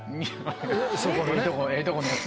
ええとこええとこのやつ。